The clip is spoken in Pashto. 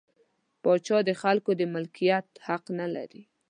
پاچا د خلکو د مالکیت حق نلري.